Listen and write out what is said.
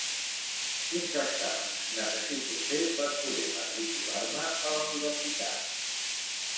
Quins exàmens necessito fer per poder matricular-me a la universitat?